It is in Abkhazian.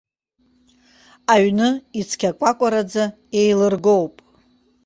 Аҩны ицқьакәакәараӡа еилыргоуп.